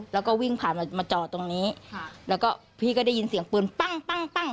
แล้วก็วิ่งผ่านมาจอตรงนี้แล้วก็พี่ก็ได้ยินเสียงปืนปั้ง